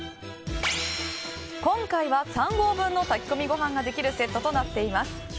今回は３合分の炊き込みご飯ができるセットとなっています。